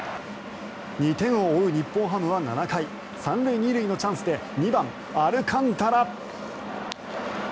２点を追う日本ハムは７回３塁２塁のチャンスで２番、アルカンタラ。